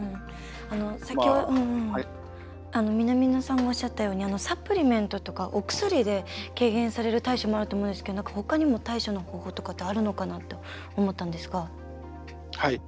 先ほど、南野さんもおっしゃったようにサプリメントとか、お薬で軽減される対処もあると思うんですけどほかにも対処の方法とかってあるのかなって思ったんですが。